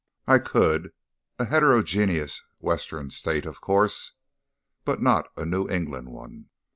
I could a heterogeneous Western State, of course, but not a New England one.